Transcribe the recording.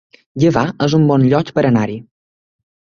Gavà es un bon lloc per anar-hi